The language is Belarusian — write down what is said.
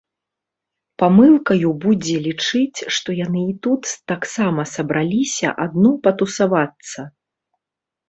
Памылкаю будзе лічыць, што яны і тут таксама сабраліся адно патусавацца.